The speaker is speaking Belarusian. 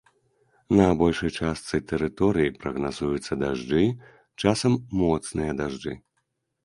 На большай частцы тэрыторыі прагназуюцца дажджы, часам моцныя дажджы.